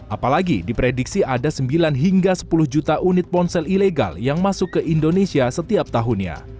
apalagi diprediksi ada sembilan hingga sepuluh juta unit ponsel ilegal yang masuk ke indonesia setiap tahunnya